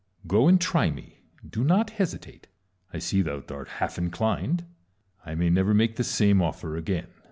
Go, and try me ; do not hesitate : I see thou art half inclined ; I may never make the same ofier again.